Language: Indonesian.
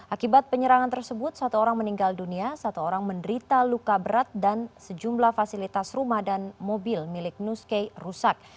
akibat penyerangan tersebut satu orang meninggal dunia satu orang menderita luka berat dan sejumlah fasilitas rumah dan mobil milik nus kay rusak